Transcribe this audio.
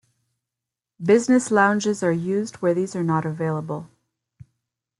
Business lounges are used where these are not available.